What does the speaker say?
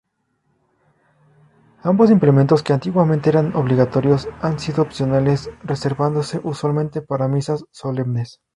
Ambos implementos, que antiguamente eran obligatorios, hoy son opcionales, reservándose usualmente para Misas solemnes.